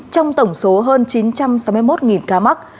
trong tổng số hơn chín trăm sáu mươi một ca mắc